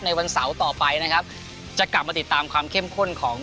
วันเสาร์ต่อไปนะครับจะกลับมาติดตามความเข้มข้นของ